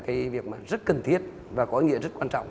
cái việc mà rất cần thiết và có ý nghĩa rất quan trọng